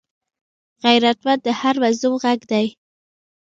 غیرتمند د هر مظلوم غږ دی